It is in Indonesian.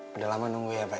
sudah lama nunggu ya pak